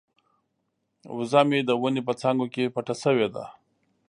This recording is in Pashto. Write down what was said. وزه مې د ونې په څانګو کې پټه شوې ده.